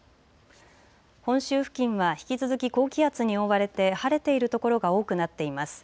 本州付近は引き続き高気圧に覆われて晴れている所が多くなっています。